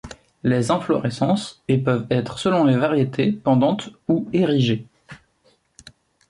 Les inflorescences et peuvent être selon les variétés, pendantes ou érigées.